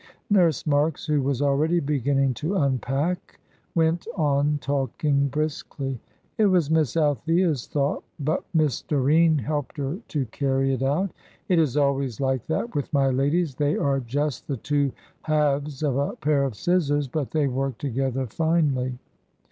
Nurse Marks, who was already beginning to unpack, went on talking briskly. "It was Miss Althea's thought, but Miss Doreen helped her to carry it out. It is always like that with my ladies, they are just the two halves of a pair of scissors, but they work together finely.